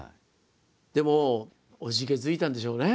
でもおじけづいたんでしょうね